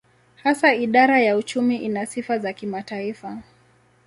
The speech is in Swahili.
Hasa idara ya uchumi ina sifa za kimataifa.